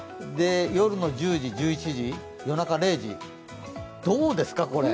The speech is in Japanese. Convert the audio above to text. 夜の１０時、１１時、夜中０時、どうですか、これ。